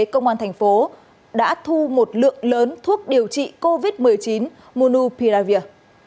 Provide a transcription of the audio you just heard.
công an thành phố đã thu một lượng lớn thuốc điều trị covid một mươi chín monupiravir